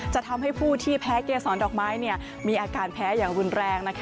ทำให้ผู้ที่แพ้เกษรดอกไม้มีอาการแพ้อย่างรุนแรง